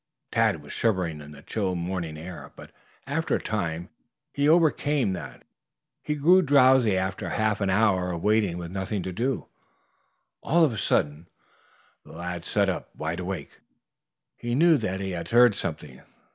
Tad was shivering in the chill morning air, but after a time he overcame that. He grew drowsy after a half hour of waiting with nothing doing. All of a sudden the lad sat up wide awake. He knew that he had heard something.